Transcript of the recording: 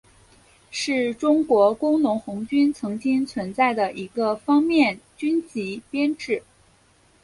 是中国工农红军曾经存在的一个方面军级编制。